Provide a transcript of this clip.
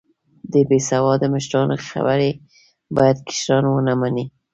د بیسیواده مشرانو خبرې باید کشران و نه منې